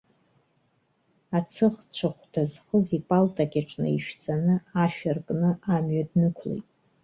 Ацыӷцәа хәда зхыз ипалта кьаҿ наишәҵаны, ашә аркны, амҩа днықәлеит.